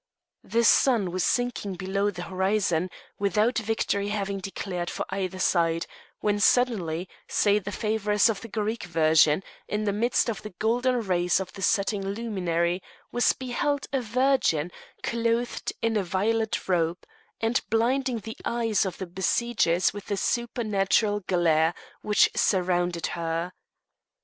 The sun was sinking below the horizon, without victory having declared for either side, when suddenly, say the favourers of the Greek version, in the midst of the golden rays of the setting luminary was beheld a virgin, clothed in a violet robe, and blinding the eyes of the besiegers with the supernatural glare which surrounded her.